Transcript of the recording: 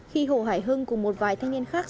khi hồ hải hưng cùng một vài thanh niên khác